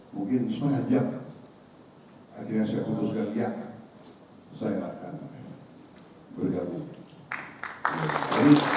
mungkin seberanjak akhirnya saya putuskan ya saya akan bergabung